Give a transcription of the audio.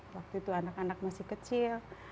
waktu itu anak anak masih kecil